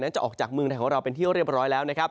นั้นจะออกจากเมืองไทยของเราเป็นที่เรียบร้อยแล้ว